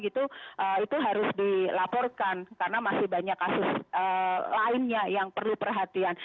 itu harus dilaporkan karena masih banyak kasus lainnya yang perlu perhatian